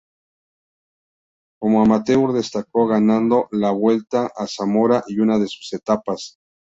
Como amateur destacó ganando la Vuelta a Zamora y una de sus etapas.